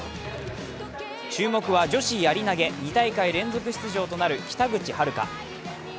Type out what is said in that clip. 注目は、女子やり投げ２大会連続出場となる北口榛花。